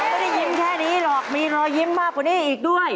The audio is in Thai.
ไม่ได้ยิ้มแค่นี้หรอกมีรอยยิ้มมากกว่านี้อีกด้วย